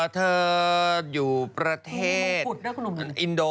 เธออยู่ประเทศอินโด